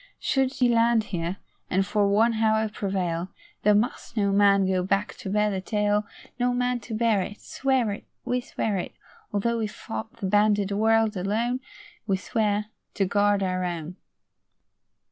Should he land here, and for one hour prevail, There must no man go back to bear the tale: No man to bear it Swear it! We swear it! Although we fought the banded world alone, We swear to guard our own.